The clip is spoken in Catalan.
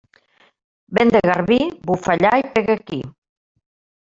Vent de garbí, bufa allà i pega aquí.